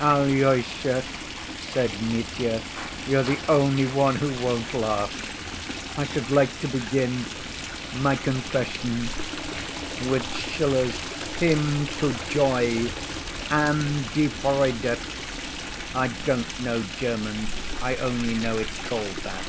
"Alyosha," said Mitya, "you're the only one who won't laugh. I should like to begin—my confession—with Schiller's Hymn to Joy, An die Freude! I don't know German, I only know it's called that.